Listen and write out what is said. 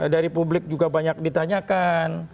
dari publik juga banyak ditanyakan